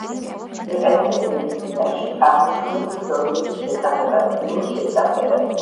იყენებენ მედიცინაში, აბრეშუმის ქსოვილების შესაღებად, ღვინის შესაფერად.